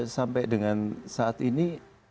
sampai dengan saat ini